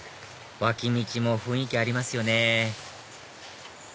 脇道も雰囲気ありますよね